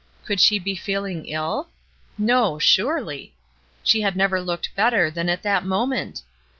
Could she be feeling ill? No, surely! She had never looked better than at that moment.